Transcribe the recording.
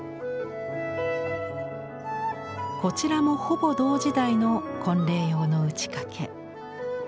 こちらもほぼ同時代の婚礼用の打掛。